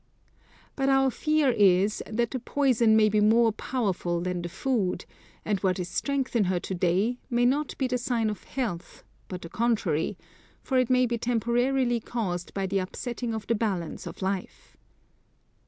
But our fear is, that the poison may be more powerful than the food, and what is strength in her to day may not be the sign of health, but the contrary; for it may be temporarily caused by the upsetting of the balance of life.